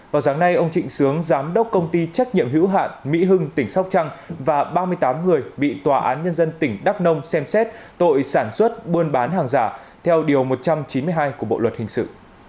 vào sáng nay ông trịnh sướng giám đốc công ty trách nhiệm hữu hạn mỹ hưng tỉnh sóc trăng và ba mươi tám người bị tòa án nhân dân tỉnh đắk nông xem xét tội sản xuất buôn bán hàng giả theo điều một trăm chín mươi hai của bộ luật hình sự